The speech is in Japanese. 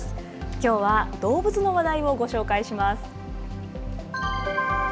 きょうは動物の話題をご紹介します。